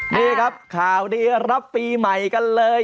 นี่ครับข่าวดีรับปีใหม่กันเลย